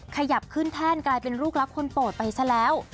ขยับขึ้นแท่นกลายเป็นลูกรักคนโปรดไปซะแล้ว